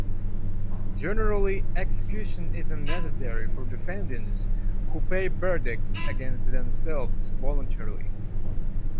Generally, execution is unnecessary for defendants who pay verdicts against themselves voluntarily.